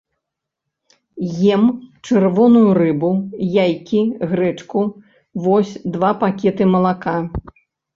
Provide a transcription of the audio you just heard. Ем чырвоную рыбу, яйкі, грэчку, вось два пакеты малака.